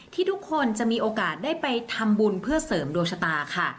ทุกคนจะมีโอกาสได้ไปทำบุญเพื่อเสริมดวงชะตาค่ะ